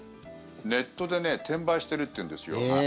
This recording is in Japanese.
ネットで転売してるっていうんですよ。